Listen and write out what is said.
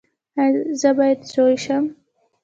ایا زه باید زوی شم؟